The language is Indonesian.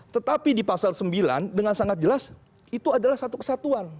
tetapi di pasal sembilan dengan sangat jelas itu adalah satu kesatuan